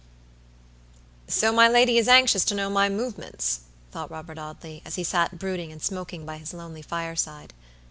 "So my lady is anxious to know my movements," thought Robert Audley, as he sat brooding and smoking by his lonely fireside.